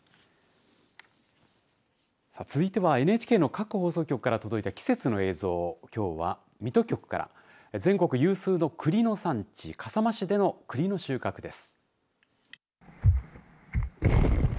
さあ続いてはＮＨＫの各放送局から届いた季節の映像きょうは水戸局から全国有数の栗の産地笠間市での栗の収穫です。